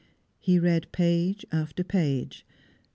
He read page after page.